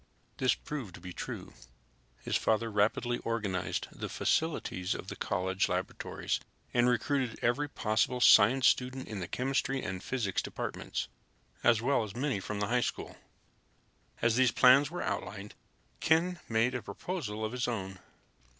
This proved to be true. His father rapidly organized the facilities of the college laboratories and recruited every possible science student in the chemistry and physics departments, as well as many from the high school. As these plans were outlined, Ken made a proposal of his own.